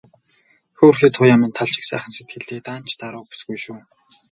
Хөөрхий Туяа минь тал шиг сайхан сэтгэлтэй, даанч даруу бүсгүй шүү.